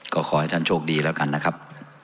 ก็ขอให้ท่านโชคดีแล้วกันนะครับ